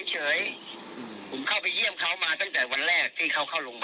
คนที่โดนทำร้ายเนี่ยร่างกายก็ช้ำดำเขียวแค่นั้นนิดหน่อยไม่ถึงจากสมองมวม